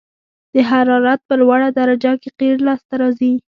د حرارت په لوړه درجه کې قیر لاسته راځي